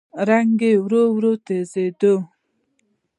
رنګ يې ورو ورو زېړېده.